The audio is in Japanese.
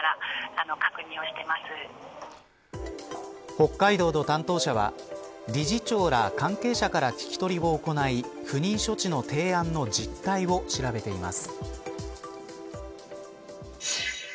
北海道の担当者は理事長ら関係者から聞き取りを行い不妊処置の提案の実態を調べています。